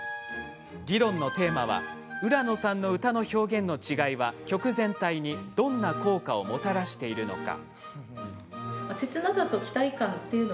議論のテーマは「浦野さんの歌の表現の違いは曲全体にどんな効果をもたらしているのか」。